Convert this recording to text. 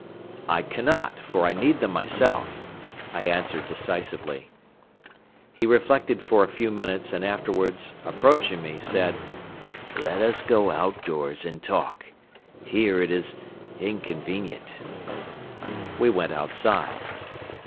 "I cannot, for I need them myself," I answered decisively. He reflected for a few minutes and afterward, approaching me, said: "Let us go out doors and talk. Here it is inconvenient." We went outside.